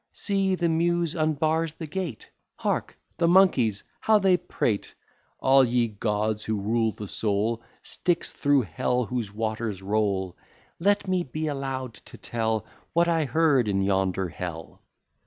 See, the Muse unbars the gate; Hark, the monkeys, how they prate! All ye gods who rule the soul: Styx, through Hell whose waters roll! Let me be allow'd to tell What I heard in yonder Hell.